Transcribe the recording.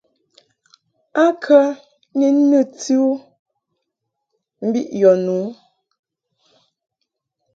A kə ni nɨti u mbiʼ yɔ nu ?